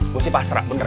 gue sih pasrah bener